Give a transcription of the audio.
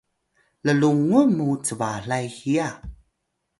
llungun mu cbalay hiya